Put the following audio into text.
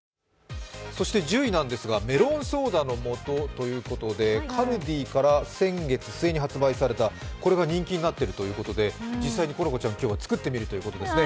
１０位なんですがメロンソーダの素ということでカルディから先月末に発売されたこれが人気になってるということで、実際に好花ちゃん、今日は作ってみるということですね。